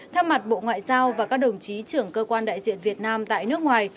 theo mặt bộ ngoại giao và các đồng chí trưởng cơ quan đại diện việt nam tại nước ngoài